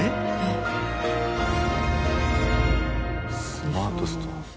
スマートストア。